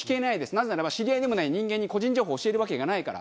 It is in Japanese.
なぜならば知り合いでもない人間に個人情報を教えるわけがないから。